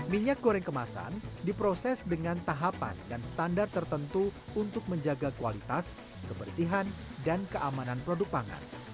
minyak goreng kemasan diproses dengan tahapan dan standar tertentu untuk menjaga kualitas kebersihan dan keamanan produk pangan